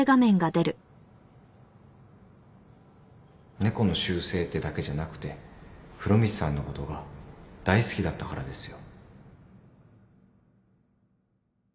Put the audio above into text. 猫の習性ってだけじゃなくて風呂光さんのことが大好きだったからですよ